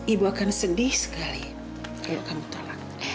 ibu akan sedih sekali ayo kamu tolak